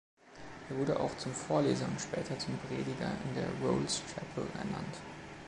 Er wurde auch zum Vorleser und später zum Prediger in der Rolls Chapel ernannt.